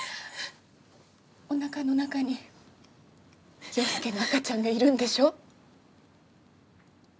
お腹の中に陽佑の赤ちゃんがいるんでしょ？